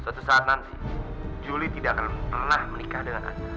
suatu saat nanti julie tidak akan pernah menikah dengan anda